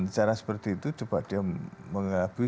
cara seperti itu coba dia mengakui